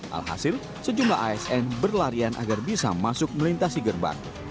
alhasil sejumlah asn berlarian agar bisa masuk melintasi gerbang